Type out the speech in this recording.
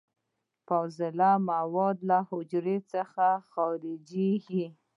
فاضله مواد له حجرې څخه خارجیږي.